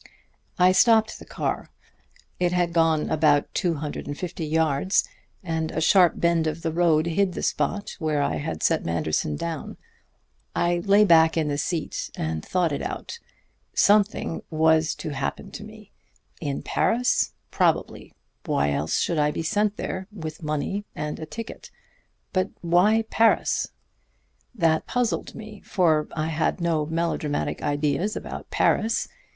"I stopped the car. It had gone about two hundred and fifty yards, and a sharp bend of the road hid the spot where I had set Manderson down. I lay back in the seat and thought it out. Something was to happen to me. In Paris? Probably why else should I be sent there, with money and a ticket? But why Paris? That puzzled me, for I had no melodramatic ideas about Paris.